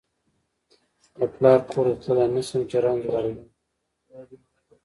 د پلار کور ته تللای نشم چې رنځ وروړم